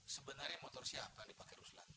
sebenarnya motor siapa yang dipakai ruslan